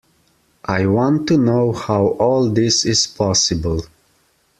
I want to know how all this is possible.